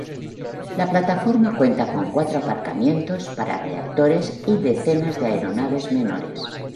La plataforma cuenta con cuatro aparcamientos para reactores y decenas de aeronaves menores.